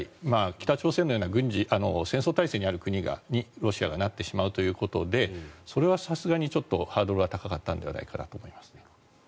北朝鮮のような戦争体制にある国に、ロシアがなってしまうということでそれはさすがにちょっとハードルが高かったのではないかなと思いますね。